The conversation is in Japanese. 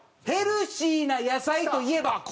「ヘルシーな野菜といえば？」。